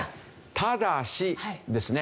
ただしですね